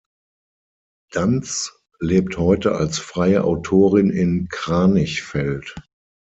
Danz lebt heute als freie Autorin in Kranichfeld.